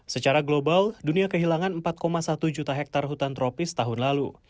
secara global dunia kehilangan empat satu juta hektare hutan tropis tahun lalu